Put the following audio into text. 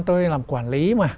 tôi làm quản lý mà